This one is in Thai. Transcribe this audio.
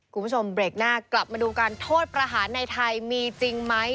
คุณผู้ชมเบรกหน้ากลับมาดูการโทษประหารในไทยมีจริงไหม